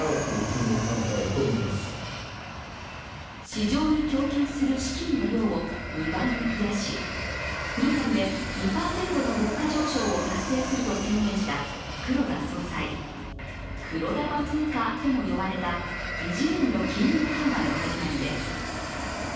市場に供給する資金の量を２倍に増やし２年で２％の物価上昇を達成すると宣言した黒田総裁黒田バズーカとも呼ばれた異次元の金融緩和の始まりです。